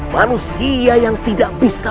manusia yang tidak bisa